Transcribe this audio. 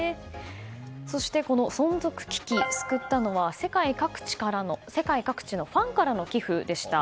そしてこの存続危機を救ったのは世界各地のファンからの寄付でした。